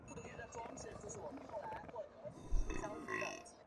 全力取缔非法电动玩具